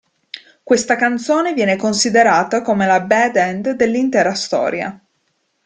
Questa canzone viene considerata come la "bad end" dell’intera storia.